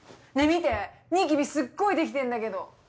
ニキビすっごいできてんだけど。